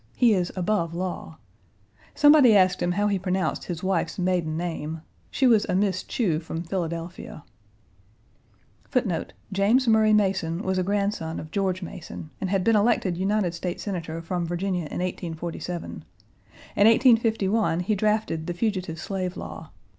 He is above law. Somebody asked him how he pronounced his wife's maiden name: she was a Miss Chew from Philadelphia. 1. James Murray Mason was a grandson of George Mason, and had been elected United States Senator from Virginia in 1847. In 1851 he drafted the Fugitive Slave Law.